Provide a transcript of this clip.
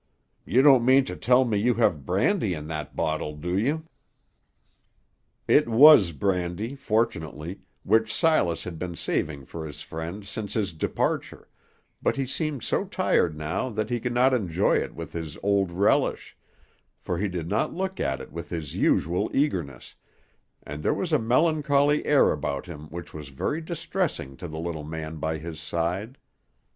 You don't mean to tell me you have brandy in that bottle, do you?" It was brandy fortunately, which Silas had been saving for his friend since his departure, but he seemed so tired now that he could not enjoy it with his old relish, for he did not look at it with his usual eagerness, and there was a melancholy air about him which was very distressing to the little man by his side.